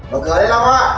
mở cửa đi lâm ạ